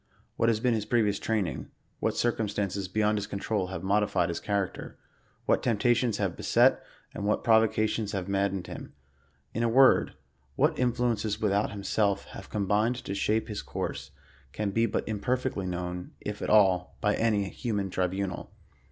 What has been his previ ous training, what circumstances beyond his control have modi fied his character, what temptations have beset and what provo cations have maddened him ; in a word« what influences with out, himself have combined to shape his course, can be but im perfectly known, if at all, by any human tribunal.